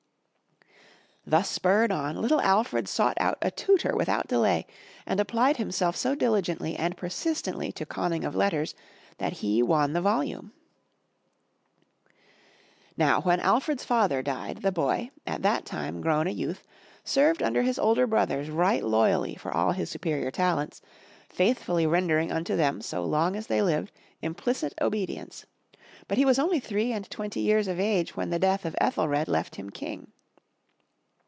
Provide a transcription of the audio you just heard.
'' Thus spurred on, little Alfred sought out a tutor without delay, and applied himself so diligently and persistently to conning of letters that he won the volume. 82 FROM THE TOWER WINDOW Now when Alfred's father died, the boy, at that time grown a youth, served under his older brothers right loyally for all his superior talents, faithfully rendering unto them so long as they lived implicit obedience; but he was only three and twenty years of age, when the death of Ethelred left him King.